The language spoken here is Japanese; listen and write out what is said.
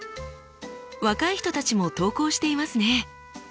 若い人たちも投稿していますね！